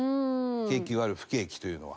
景気が悪い不景気というのは。